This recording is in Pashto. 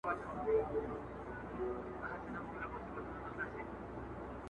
نیم وجود دي په زړو جامو کي پټ دی!!!